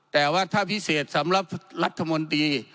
แต่ว่าถ้าพิเศษสำหรับรัฐมนตรี